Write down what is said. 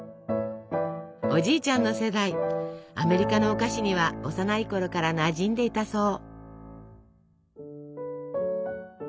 おじいちゃんの世代アメリカのお菓子には幼いころからなじんでいたそう。